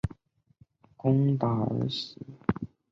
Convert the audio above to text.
八剌本人在位五年后因受金帐汗攻打而死。